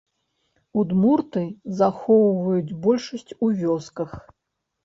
Удмурты захоўваюць большасць у вёсках.